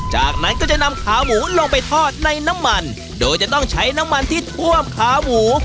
จากนั้นก็จะนำขาหมูลงไปทอดในน้ำมันโดยจะต้องใช้น้ำมันที่ท่วมขาหมู